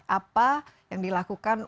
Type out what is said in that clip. apa yang dilakukan